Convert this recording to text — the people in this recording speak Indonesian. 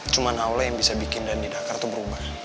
cuma allah yang bisa bikin dhani dan aka itu berubah